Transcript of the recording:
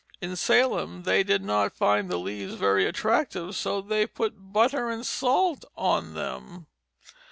In Salem they did not find the leaves very attractive, so they put butter and salt on them.